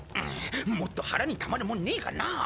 もっと腹にたまるもんねえかなあ？